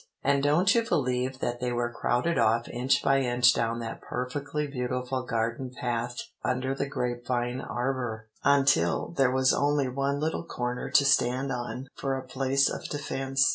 And don't you believe they were crowded off inch by inch down that perfectly beautiful garden path under the grape vine arbor, until there was only one little corner to stand on for a place of defence.